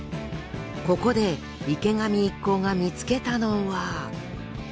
ここで池上一行が見つけたのは。